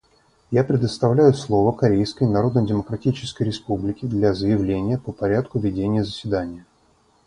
Я предоставляю слово Корейской Народно-Демократической Республике для заявления по порядку ведения заседания.